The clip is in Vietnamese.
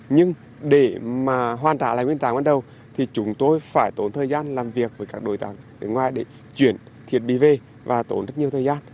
nhưng để hoàn trả lời nguyên trang ban đầu thì chúng tôi phải tốn thời gian làm việc với các đối tác nước ngoài để chuyển thiệt bị về và tốn rất nhiều thời gian